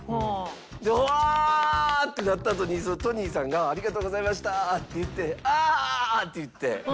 うわー！ってなったあとにそのトニーさんが「ありがとうございました！」って言って「ああー！」って言って。